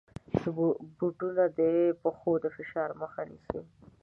بوټونه د پښو د فشار مخه نیسي.